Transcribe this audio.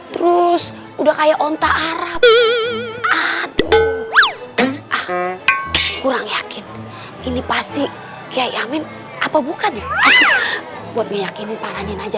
terus udah kayak onta arap aduh kurang yakin ini pasti kiai amin apa bukan buat meyakin parahin aja